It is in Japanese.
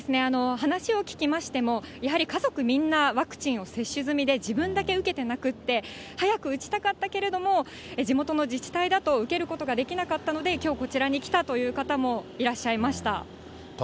話を聞きましても、やはり家族みんなワクチンを接種済みで、自分だけ受けてなくて、早く打ちたかったけれども、地元の自治体だと受けることができなかったので、きょうこちらに来たという方もいらっしゃいました。